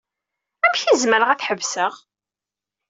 Amek ay zemreɣ ad t-ḥebseɣ?